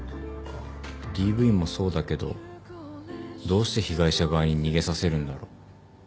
ＤＶもそうだけどどうして被害者側に逃げさせるんだろう。